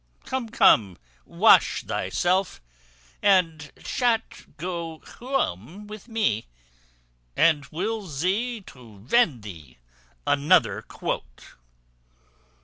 Come, come, wash thyself, and shat go huome with me; and we'l zee to vind thee another quoat."